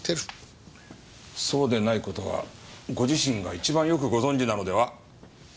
そうでない事はご自身が一番よくご存じなのでは？